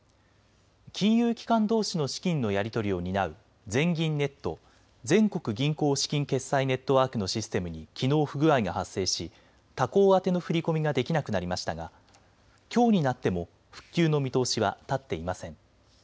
金融機関どうしの資金のやり取りを担う全銀ネット・全国銀行資金決済ネットワークのシステムにきのう不具合が発生し他行宛ての振り込みができなくなりましたがきょうになっても復旧の見通しは立っていません。